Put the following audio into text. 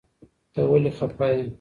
ته ولي خفه يي